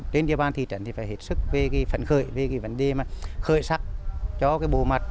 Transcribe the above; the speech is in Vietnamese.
trên địa bàn thị trấn thì phải hết sức về cái phần khởi về cái vấn đề mà khởi sắp cho cái bồ mặt